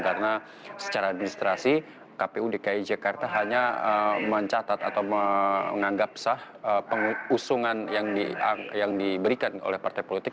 karena secara administrasi kpud dki jakarta hanya mencatat atau menganggap sah pengusungan yang diberikan oleh partai politik